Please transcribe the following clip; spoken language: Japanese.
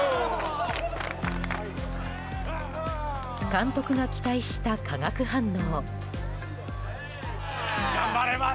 監督が期待した化学反応。